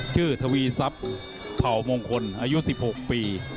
ชื่อทวีซับเผ่ามงคลอายุ๑๖ปี